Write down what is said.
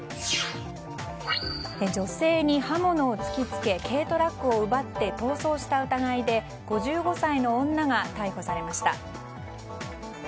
女性に刃物を突き付け軽トラックを奪って逃走した疑いで５５歳の女が逮捕されました。